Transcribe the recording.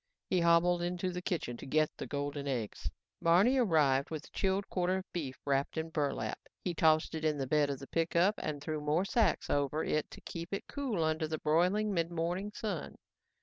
He hobbled into the kitchen to get the golden eggs. Barney arrived with the chilled quarter of beef wrapped in burlap. He tossed it in the bed of the pickup and threw more sacks over it to keep it cool under the broiling, midmorning sun.